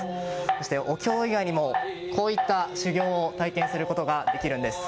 そして、お経以外にもこういった修行を体験することができるんです。